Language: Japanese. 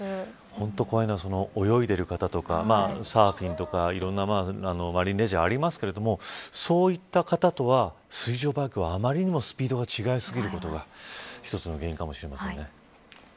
本当に怖いのは泳いでいる方とかサーフィンとかいろんなマリンレジャーがありますがそういった方とは水上バイクはあまりにもスピードが違いすぎることが一つの原因かもしれませんね。